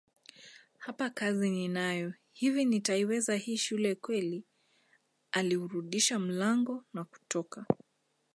Hapa kazi ninayo hivi nitaiweza hii shule kweli Aliurudisha mlango na kutoka